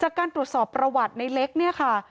จากการตรวจสอบประวัติในเล็กเนี่ยค่ะ